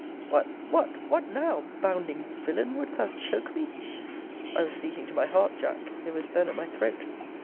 What What What now! Bounding villain! wouldst thou choke me? I was speaking to my heart, Jack! It was then at my throat.